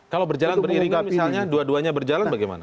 kalau berjalan beriringan misalnya dua duanya berjalan bagaimana